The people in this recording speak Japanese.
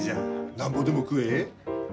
なんぼでも食え。